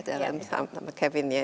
jalan sama kevin ya